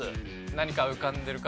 何か浮かんでる方。